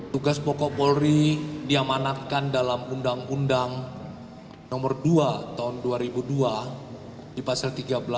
tugas pokok polri diamanatkan dalam undang undang nomor dua tahun dua ribu dua di pasal tiga belas